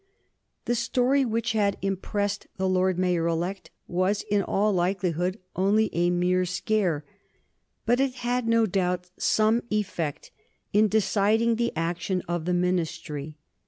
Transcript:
The story which had impressed the Lord Mayor elect was in all likelihood only a mere scare. But it had, no doubt, some effect in deciding the action of the Ministry.